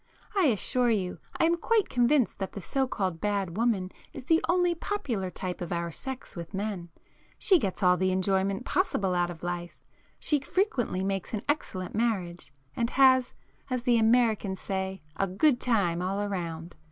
I assure you, I am quite convinced that the so called 'bad' woman is the only popular type of our sex with men,—she gets all the enjoyment possible out of life,—she frequently makes an excellent marriage, and has, as the Americans say 'a good time all round.